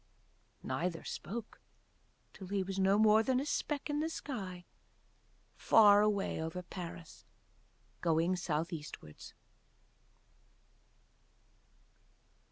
Neither spoke till he was no more than a speck in the sky far away over Paris going South Eastwards.